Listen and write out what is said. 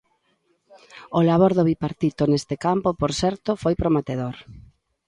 O labor do bipartito neste campo, por certo, foi prometedor.